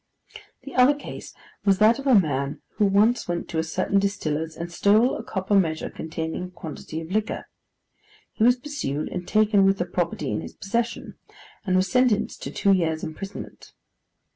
The other case, was that of a man who once went to a certain distiller's and stole a copper measure containing a quantity of liquor. He was pursued and taken with the property in his possession, and was sentenced to two years' imprisonment.